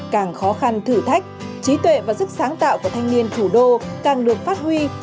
càng khó khăn thử thách trí tuệ và sức sáng tạo của thanh niên thủ đô càng được phát huy